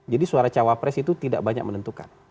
jadi suara cawapres itu tidak banyak menentukan